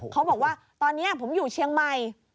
เขาบอกว่าตอนนี้ผมอยู่เชียงใหม่